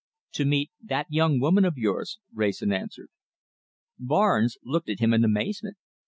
"To meet that young woman of yours," Wrayson answered. Barnes looked at him in amazement.